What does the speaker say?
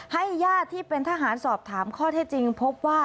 ญาติที่เป็นทหารสอบถามข้อเท็จจริงพบว่า